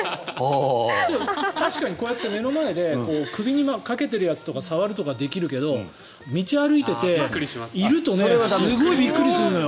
確かにこうやって目の前で首にかけてるやつとか触るとかできるけど道を歩いてて、いるとすごいびっくりするのよ。